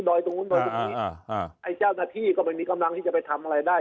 ตรงนู้นดอยตรงนี้ไอ้เจ้าหน้าที่ก็ไม่มีกำลังที่จะไปทำอะไรได้